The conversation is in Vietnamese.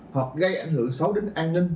hoặc gây ảnh hưởng xấu đến an ninh